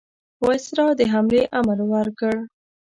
وایسرا د حملې امر ورکړ.